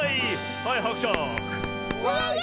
はいはくしゃく。